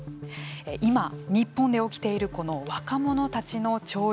今、日本で起きているこの若者たちの潮流